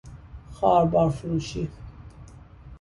خواربار فروشی